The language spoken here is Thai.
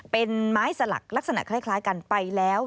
เป็นไม้สลักลักษณะคล้ายกันไปแล้ว